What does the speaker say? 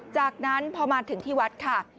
จากนั้นพอมาถึงที่วัดค่ะ